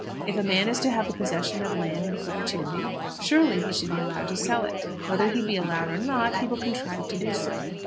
If a man is to have the possession of land in perpetuity, surely he should be allowed to sell it. Whether he be allowed or not, he will contrive to do so.